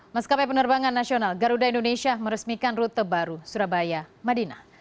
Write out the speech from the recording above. maskapai penerbangan nasional garuda indonesia meresmikan rute baru surabaya madinah